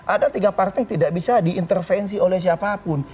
ada tiga partai yang tidak bisa diintervensi oleh siapapun